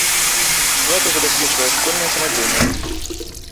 Свята забяспечвае школьная самадзейнасць.